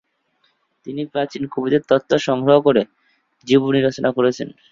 তিনি প্রাচীন কবিদের তথ্য সংগ্রহ ক'রে জীবনী রচনা করেছেন।